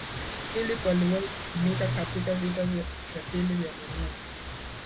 philip aliwahi kutumika katika vita vya pili vya dunia